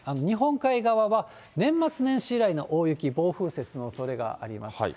日本海側は、年末年始以来の大雪、暴風雪のおそれがあります。